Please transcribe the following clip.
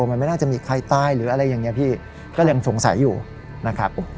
มันไม่น่าจะมีใครตายหรืออะไรอย่างนี้พี่ก็ยังสงสัยอยู่นะครับ